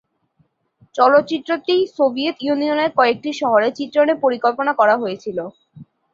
চলচ্চিত্রটি সোভিয়েত ইউনিয়নের কয়েকটি শহরে চিত্রায়নের পরিকল্পনা করা হয়েছিল।